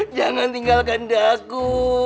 jangan tinggalkan daku